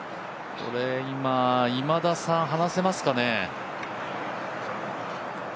今、今田さん、話せますかね。